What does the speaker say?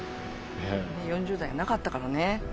４０代なかったからね。